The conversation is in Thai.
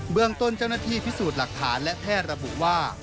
เมืองต้นเจ้าหน้าที่พิสูจน์หลักฐานและแพทย์ระบุว่า